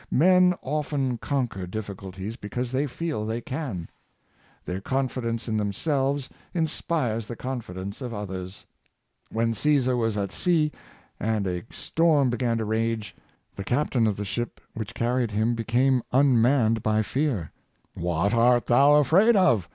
Men often conquer difficulties because they feel they can. Their confidence in themselves inspires the con fidence of others. When Caesar was at sea, and a storm began to rage, the captain of the ship which car ried him became unmanned by fear. ^' What art thou afraid of.